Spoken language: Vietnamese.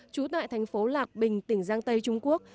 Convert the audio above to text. trú tại thành phố lạc bình tỉnh giang tây trung quốc